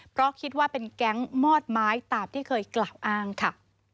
เพราะคิดว่าเป็นแก๊งมอดไม้ตามที่เคยกล่าวอ้างค่ะ